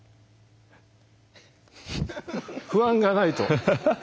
「不安がない」と。